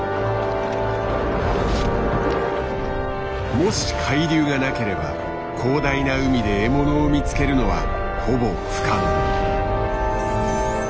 もし海流がなければ広大な海で獲物を見つけるのはほぼ不可能。